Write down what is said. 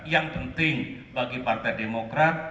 yang penting bagi partai demokrat